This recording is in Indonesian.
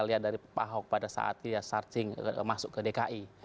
kita lihat dari pak ahok pada saat dia charging masuk ke dki